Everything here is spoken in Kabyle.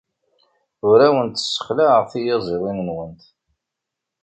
Ur awent-ssexlaɛeɣ tiyaziḍin-nwent.